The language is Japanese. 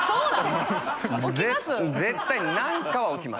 絶対何かは起きます。